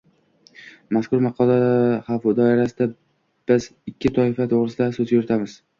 Mazkur maqola doirasida biz ikki toifa to‘g‘risida so‘z yuritamiz.